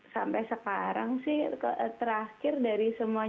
sampai sekarang sih terakhir dari semuanya